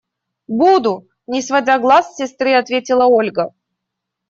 – Буду! – не сводя глаз с сестры, ответила Ольга.